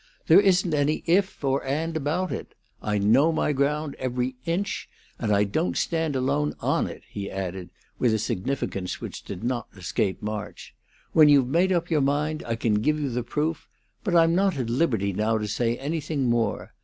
There isn't any if or and about it. I know my ground, every inch; and I don't stand alone on it," he added, with a significance which did not escape March. "When you've made up your mind I can give you the proof; but I'm not at liberty now to say anything more.